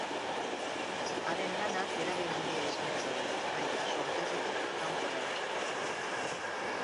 Haren lanak eragin handia izan zuen, baita sorterritik kanpora ere.